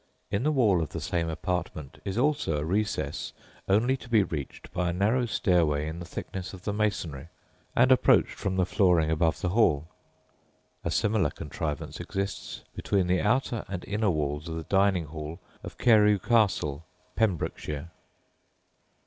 In the wall of the same apartment is also a recess only to be reached by a narrow stairway in the thickness of the masonry, and approached from the flooring above the hall. A similar contrivance exists between the outer and inner walls of the dining hall of Carew Castle, Pembrokeshire.